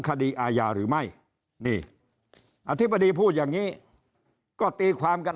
คดีอาญาหรือไม่นี่อธิบดีพูดอย่างนี้ก็ตีความกัน